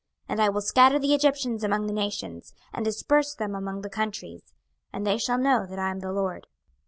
26:030:026 And I will scatter the Egyptians among the nations, and disperse them among the countries; and they shall know that I am the LORD.